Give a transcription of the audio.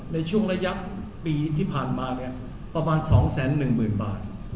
ในช่วงระยะปีที่ผ่านมาเนี่ยประมาณ๒๑๐๐๐บาท